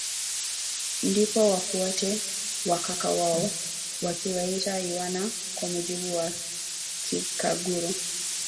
Ndipo wafuate wa kaka wao wakiwaita iwana kwa mujibu wa kikaguru